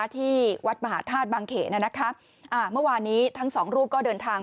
ที่วัดมหาธาตุบางเขนเมื่อวานนี้ทั้งสองรูปก็เดินทาง